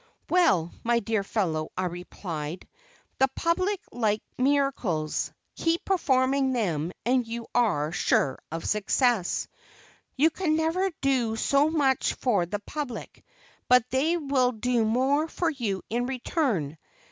"Well, my dear fellow," I replied, "the public like miracles; keep performing them and you are sure of success. You can never do so much for the public, but they will do more for you in return.